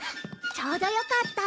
ちょうどよかった。